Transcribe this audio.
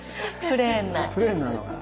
プレーンなのが。